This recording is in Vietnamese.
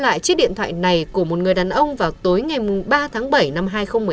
lại chiếc điện thoại này của một người đàn ông vào tối ngày ba tháng bảy năm hai nghìn một mươi năm